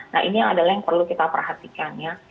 nah ini adalah yang perlu kita perhatikan ya